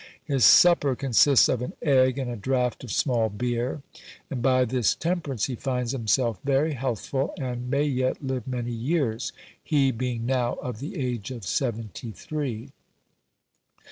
His supper consists of an egg and a draught of small beer. And by this temperance he finds himself very healthful, and may yet live many years, he being now of the age of seventy three.